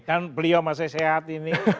kan beliau masih sehat ini